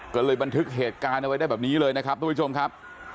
ก็เลยบันทึกเหตุการณ์เอาไว้ได้แบบนี้เลยนะครับทุกผู้ชมครับ